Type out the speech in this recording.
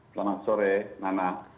selamat sore nana